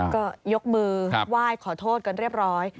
ก็ยกมือไหว้ขอโทษกันเรียบร้อย